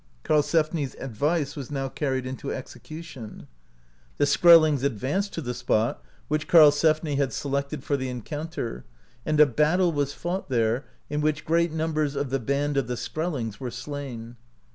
Karlsefni*s advice was now carried into exeaition* The Skrellings advanced to the spot which Karlsefni had selected for the encounter^ and a battle was fought there, in which great numbers of the band of the Skrellings were slain.